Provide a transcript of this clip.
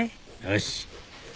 よし。